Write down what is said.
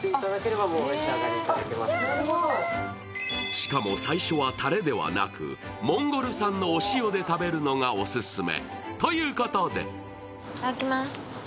しかも、最初はたれではなく、モンゴル産のお塩で食べるのがオススメ。